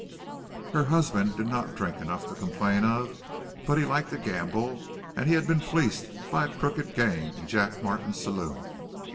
Her husband did not drink enough to complain of, but he liked to gamble and he had been fleeced by a crooked game in Jack Martin's saloon.